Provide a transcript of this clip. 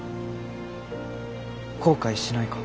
後悔しないか。